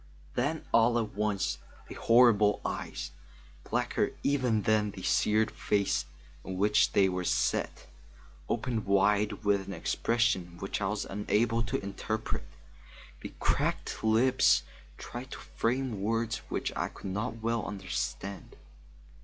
Then all at once the horrible eyes, blacker even than the seared face in which they were set, opened wide with an expression which I was unable to interpret. The cracked lips tried to frame words which I could not well understand.